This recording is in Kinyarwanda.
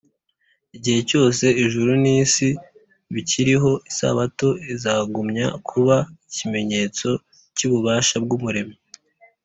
” igihe cyose ijuru n’isi bikiriho, isabato izagumya kuba ikimenyetso cy’ububasha bw’umuremyi